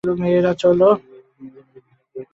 মেয়েরা, চলো।